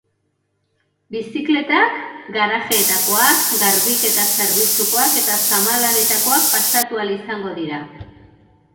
Bizikletak, garajeetakoak, garbiketa-zerbitzukoak eta zamalanetakoak pasatu ahal izango dira.